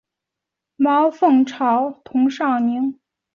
毛凤朝同尚宁王等人一起被掳到萨摩藩。